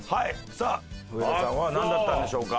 さあ上田さんはなんだったんでしょうか？